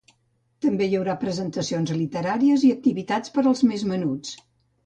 També hi haurà presentacions literàries i activitats per als més menuts.